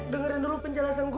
di sana teman ku diserang